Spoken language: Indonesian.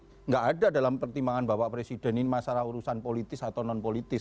tidak ada dalam pertimbangan bapak presiden ini masalah urusan politis atau non politis